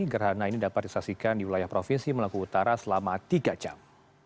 gerhana ini dapat disaksikan di wilayah provinsi maluku utara selama tiga jam